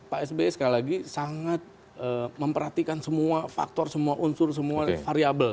pak sby sekali lagi sangat memperhatikan semua faktor semua unsur semua variable